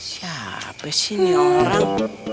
siapa sih ini orang